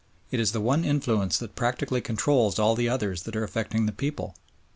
It is the one influence that practically controls all the others that are affecting the people.